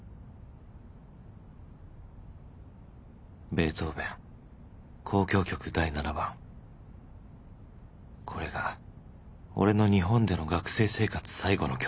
ベートーヴェン『交響曲第７番』これが俺の日本での学生生活最後の曲